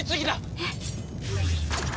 えっ？